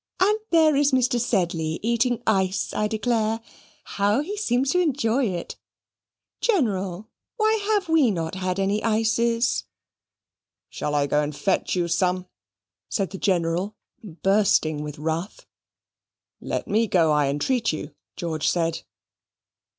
And there is Mr. Sedley eating ice, I declare: how he seems to enjoy it! General, why have we not had any ices?" "Shall I go and fetch you some?" said the General, bursting with wrath. "Let ME go, I entreat you," George said.